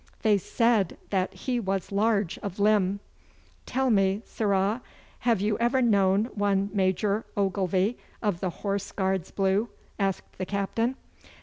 They said that he was large of limb.' 'Tell me, sirrah, have you ever known one Major Ogilvy of the Horse Guards Blue?' asked the Captain.